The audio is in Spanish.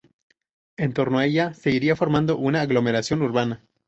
En torno a ella se iría formando una aglomeración urbana.